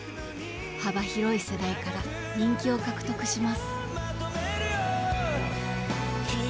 幅広い世代から人気を獲得します。